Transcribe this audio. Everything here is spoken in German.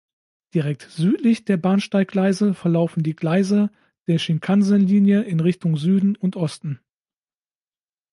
Direkt südlich der Bahnsteiggleise verlaufen die Gleise der Shinkansen-Linien in Richtung Süden und Osten.